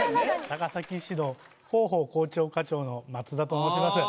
高崎市の広報広聴課長の松田と申します